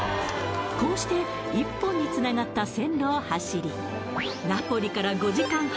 こうして１本につながった線路を走りナポリから５時間半